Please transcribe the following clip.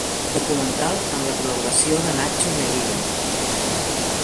Documental amb la col·laboració de Natxo Melilla.